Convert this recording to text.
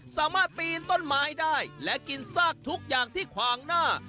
สามารถปีนต้นไม้ได้และกินซากทุกอย่างที่ขวางหน้า